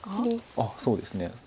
あっそうですね。